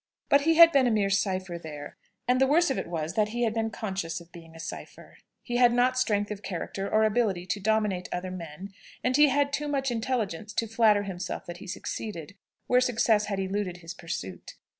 But he had been a mere cypher there; and the worst of it was, that he had been conscious of being a cypher. He had not strength of character or ability to dominate other men, and he had too much intelligence to flatter himself that he succeeded, where success had eluded his pursuit.